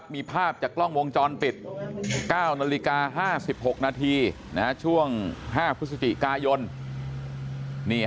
มีภาพจากกล้องวงจรปิด๙นาฬิกา๕๖นาทีช่วง๕พฤศจิกายน